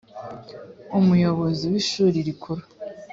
umuyobozi w ishuri rikuru